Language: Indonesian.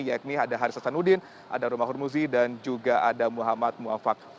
yakni ada harissa sanudin ada aromahormuzi dan juga ada muhammad mu'affaq